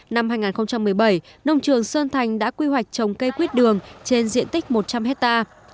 năm hai nghìn một mươi bảy nông trường sơn thành đã quy hoạch trồng cây quýt đường trên diện tích một trăm linh hectare